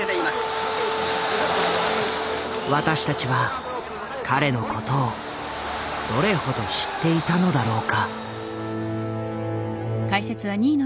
私たちは彼のことをどれほど知っていたのだろうか。